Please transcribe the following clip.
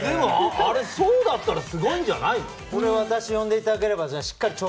あれ、壮だったらすごいんじゃない？